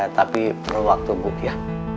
tapi perlu waktu book ya